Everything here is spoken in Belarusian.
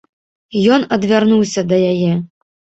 Ён адвярнуўся да яе.